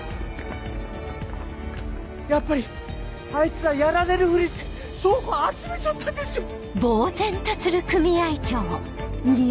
やっぱりあいつらやられるふりして証拠集めちょったんですよ！